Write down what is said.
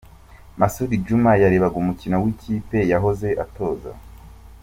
Masud Djuma yarebaga umukino w'ikipe yahoze atoza.